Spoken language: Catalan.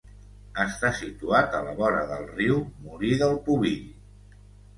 Està situat a la vora del riu Molí del Pubill.